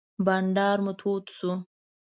بانډار مو تود شو.